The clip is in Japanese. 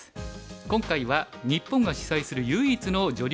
今回は日本が主催する唯一の女流